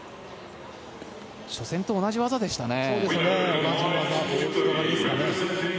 初戦と同じ技でしたね。